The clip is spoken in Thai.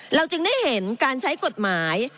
เราจึงได้เห็นการใช้กฎหมาย